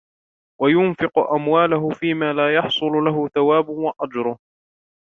وَيُنْفِقَ أَمْوَالَهُ فِيمَا لَا يَحْصُلُ لَهُ ثَوَابُهُ وَأَجْرُهُ